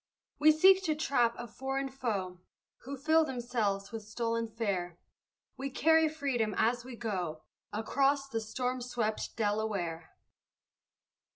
We seek to trap a foreign foe, Who fill themselves with stolen fare; We carry freedom as we go Across the storm swept Delaware!